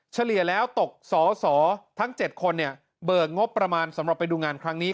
เฉลี่ยแล้วตกสอสอทั้ง๗คนเนี่ยเบิกงบประมาณสำหรับไปดูงานครั้งนี้